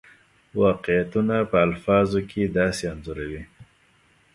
واقعیتونه په الفاظو کې داسې انځوروي.